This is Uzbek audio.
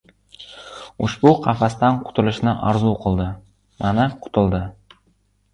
Ushbu qafasdan qutulishni orzu qildi. Mana, qutuldi.